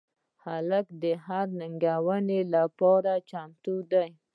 هلک د هرې ننګونې لپاره چمتو دی.